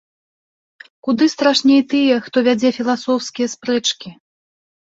Куды страшней тыя, хто вядзе філасофскія спрэчкі.